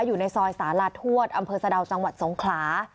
อยู่ในซอยสาลาทวดอำเภอสะดาวจังหวัดสงขลา